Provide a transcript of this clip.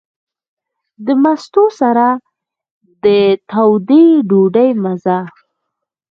د مستو سره د تودې ډوډۍ مزه.